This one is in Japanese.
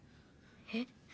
えっ？